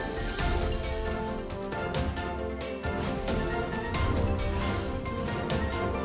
nah denturnya betul saja